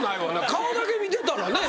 顔だけ見てたらね